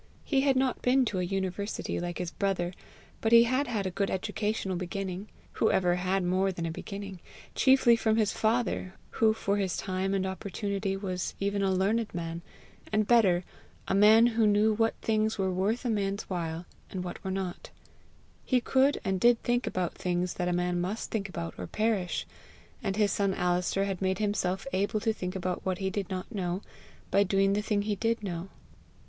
He had not been to a university like his brother, but he had had a good educational beginning who ever had more than a beginning? chiefly from his father, who for his time and opportunity was even a learned man and better, a man who knew what things were worth a man's human while, and what were not: he could and did think about things that a man must think about or perish; and his son Alister had made himself able to think about what he did not know, by doing the thing he did know.